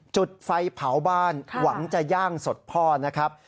จุดไฟเผาบ้านหวังจะย่างสดพ่อนะครับ